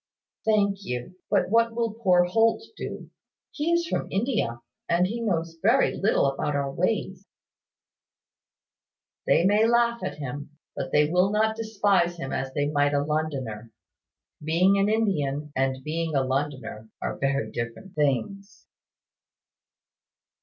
"Thank you: but what will poor Holt do? He is from India, and he knows very little about our ways." "They may laugh at him; but they will not despise him as they might a Londoner. Being an Indian, and being a Londoner, are very different things."